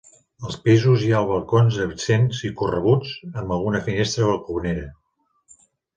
Als pisos hi ha balcons exempts i correguts, amb alguna finestra balconera.